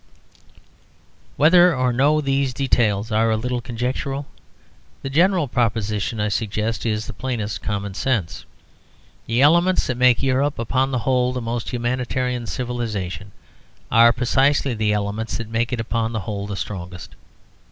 Whether or no these details are a little conjectural, the general proposition I suggest is the plainest common sense. The elements that make Europe upon the whole the most humanitarian civilisation are precisely the elements that make it upon the whole the strongest.